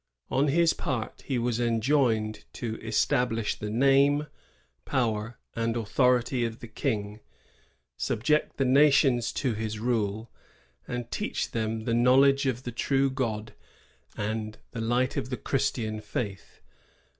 On his part he was enjoined to ^* establish the name, power, and authority of the King; subject the nations to his rule, and teach them the knowledge of the true God and the light of the Christian faith."